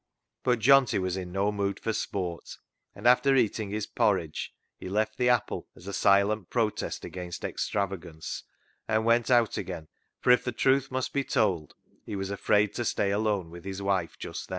But Johnty was in no mood for sport, and after eating his porridge he left the apple as a silent protest against extravagance, and went out again, for if the truth must be told he was afraid to stay alone with his wife just then.